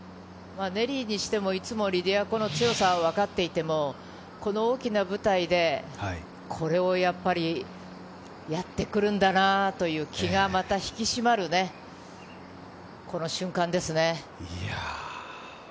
ネリーにしてもリディア・コの強さは分かっていてもこの大きな舞台でこれをやってくるんだなという気がまた引き締まる瞬間ですね。